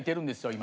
今。